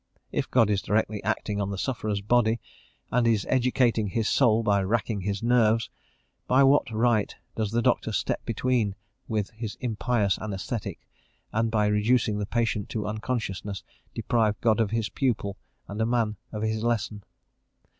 If God is directly acting on the sufferer's body, and is educating his soul by racking his nerves, by what right does the doctor step between with his impious anaesthetic, and by reducing the patient to unconsciousness, deprive God of his pupil, and man of his lesson?